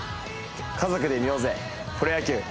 家族で見ようぜプロ野球！